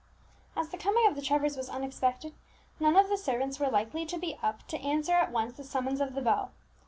As the coming of the Trevors was unexpected, none of the servants were likely to be up to answer at once the summons of the bell.